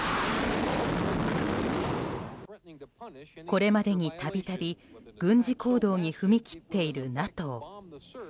これまでにたびたび軍事行動に踏み切っているＮＡＴＯ。